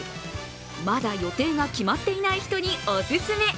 まだ予定が決まっていない人におすすめ。